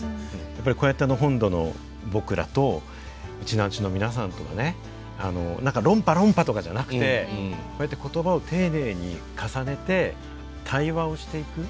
やっぱりこうやって本土の僕らとウチナーンチュの皆さんとはね何か論破論破とかじゃなくてこうやって言葉を丁寧に重ねて対話をしていく。